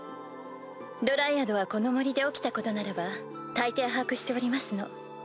ドライアドはこの森で起きたことならば大抵把握しておりますの。